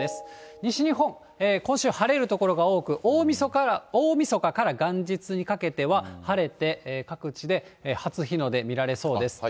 西日本、今週晴れる所が多く、大みそかから元日にかけては晴れて、各地で初日の出、見られそうです。